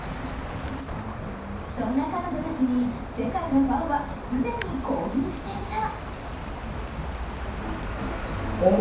そんな彼女たちに世界のファンはすでに興奮していた。